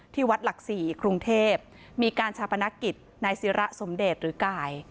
วัดหลัก๔กรุงเทพมีการชาปนกิจนายศิระสมเดชหรือกาย